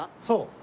そう。